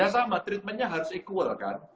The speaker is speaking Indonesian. ya sama treatmentnya harus equal kan